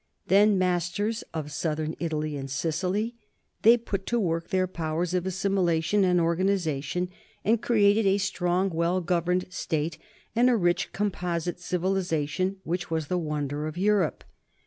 Then, masters of southern Italy and Sicily, they put 'to work their powers of assimilation and organization and created a strong, well governed state and a rich, composite civili zation which were the wonder of Europe.